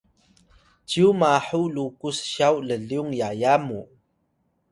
cyu mahu lukus syaw llyung yaya mu